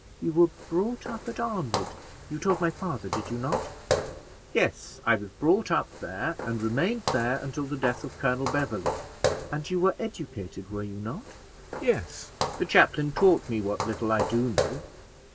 "You were brought up at Arnwood, you told my father; did you not?" "Yes, I was brought up there, and remained there until the death of Colonel Beverley." "And you were educated, were you not?" "Yes; the chaplain taught me what little I do know."